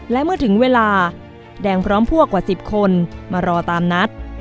และเมื่อถึงเวลาแดงพร้อมพวกกว่า๑๐คนมารอตามนัด